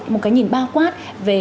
một cái nhìn bao quát về